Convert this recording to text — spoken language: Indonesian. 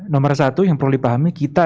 nomor satu yang perlu dipahami kita